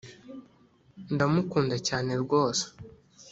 ndamukunda cyane rwose